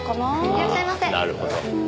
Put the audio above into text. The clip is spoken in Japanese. いらっしゃいませ。